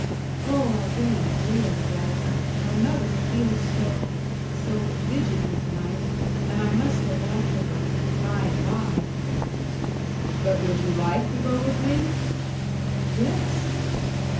"Oh, I daren't really, Walter. My mother feels so so fidgety to night and I must go back to her.... By and by." "But would you like to go with me?" "Yes!"